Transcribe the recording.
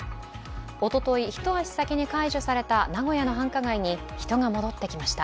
おととい、一足先に解除された名古屋の繁華街に人が戻ってきました。